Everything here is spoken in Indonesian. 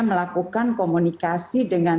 melakukan komunikasi dengan